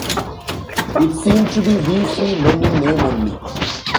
It seemed to be "Wee Free Men" in name only.